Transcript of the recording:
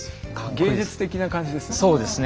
芸術的な感じですよね。